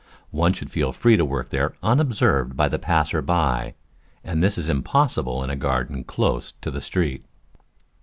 One should feel free to work there unobserved of the passer by, and this is impossible in a garden close to the street.